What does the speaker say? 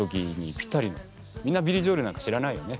みんなビリー・ジョエルなんか知らないよね？